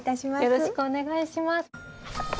よろしくお願いします。